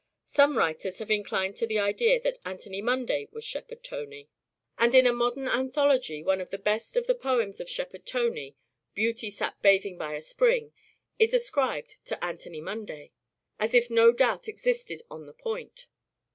Some writers have inclined to the idea that Anthony Munday was " Shepherd Tony "; and in a modern anthology one of the best of the poems of Shepherd Tony, " Beauty sat bathing by a spring," is ascribed to Anthony Munday : as if no doubt existed on the point.